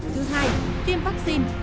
thứ hai tiêm vắc xin vào vệnh